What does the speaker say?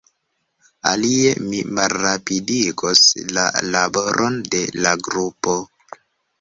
Alie, mi malrapidigos la laboron de la grupo.